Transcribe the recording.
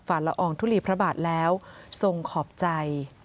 ละอองทุลีพระบาทแล้วทรงขอบใจ